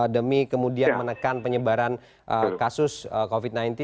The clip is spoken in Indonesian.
demi kemudian menekan penyebaran kasus covid sembilan belas